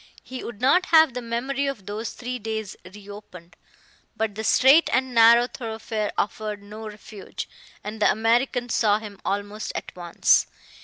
He would not have the memory of those three days re opened. But the straight and narrow thoroughfare offered no refuge, and the American saw him almost at once.